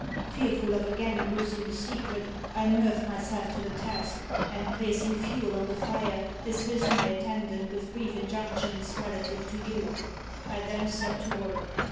"Fearful of again losing the secret, I nerved myself to the task, and placing fuel on the fire, dismissed my attendant with brief injunctions relative to you. I then set to work.